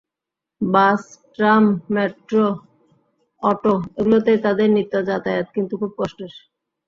বাস, tram, metro, auto এগুলোতেই তাঁদের নিত্য যাতায়াত, কিন্তু খুব কষ্টের।